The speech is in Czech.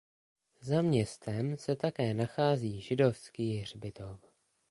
Za městem se také nachází židovský hřbitov.